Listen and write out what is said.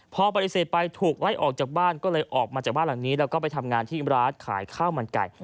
พอปฏิเสธไปถูกไล่ออกจากบ้านก็เลยออกมาจากบ้านหลังนี้แล้วก็ไปทำงานที่ร้านขายข้าวมันไก่